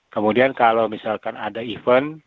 kemudian kalau misalkan ada event